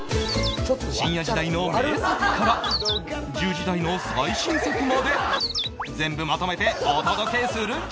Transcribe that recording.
深夜時代の名作から１０時台の最新作まで全部まとめてお届けするんじゃ！